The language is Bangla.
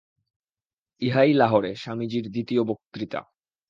ইহাই লাহোরে স্বামীজীর দ্বিতীয় বক্তৃতা।